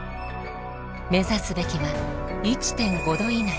目指すべきは１．５℃以内。